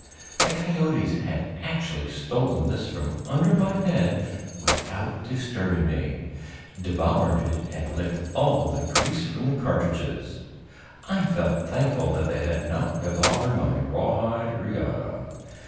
The coyotes had actually stolen this from under my head without disturbing me, devoured it and licked all the grease from the cartridges. I felt thankful that they had not devoured my rawhide riata.